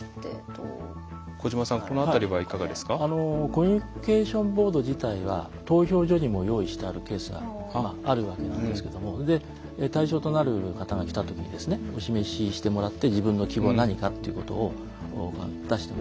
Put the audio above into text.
コミュニケーションボード自体は投票所にも用意してあるケースがあるわけなんですけども対象となる方が来た時にお示ししてもらって自分の希望が何かということを出してもらって。